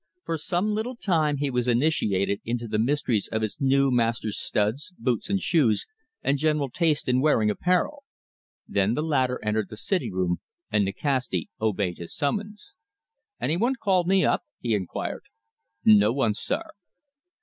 For some little time he was initiated into the mysteries of his new master's studs, boots and shoes, and general taste in wearing apparel. Then the latter entered the sitting room, and Nikasti obeyed his summons. "Anyone called me up?" he inquired. "No one, sir."